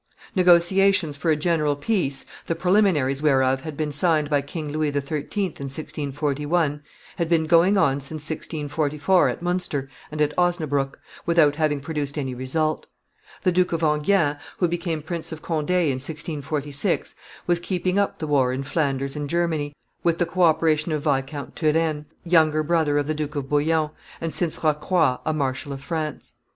Negotiations for a general peace, the preliminaries whereof had been signed by King Louis XIII. in 1641, had been going on since 1644 at Munster and at Osnabriick, without having produced any result; the Duke of Enghien, who became Prince of Conde in 1646, was keeping up the war in Flanders and Germany, with the co operation of Viscount Turenne, younger brother of the Duke of Bouillon, and, since Rocroi, a marshal of France.